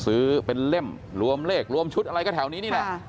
ซื้อเป็นเล่มรวมเลขรวมชุดอะไรก็แถวนี้นี่แหละ